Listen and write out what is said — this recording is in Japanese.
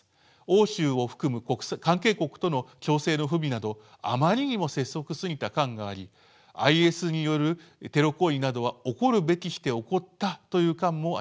欧州を含む関係国との調整の不備などあまりにも拙速すぎた感がありＩＳによるテロ行為などは起こるべくして起こったという感もありました。